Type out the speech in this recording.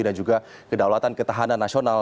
dan juga kedaulatan ketahanan nasional